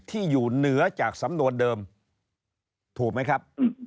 ที่อยู่เหนือจากสำนวนเดิมถูกไหมครับ